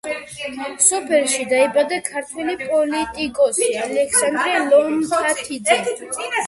სოფელში დაიბადა ქართველი პოლიტიკოსი ალექსანდრე ლომთათიძე.